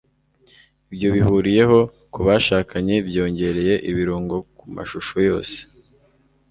ibyo bihuriyeho kubashakanye byongereye ibirungo kumashusho yose